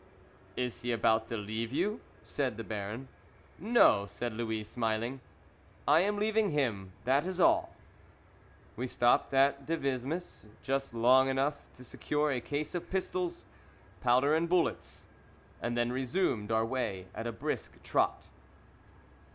"Is he about to leave you?" said the Baron. "No," said Louis, smiling; "I am leaving him, that is all!" We stopped at Devismes just long enough to secure a case of pistols, powder and bullets, and then resumed our way at a brisk trot.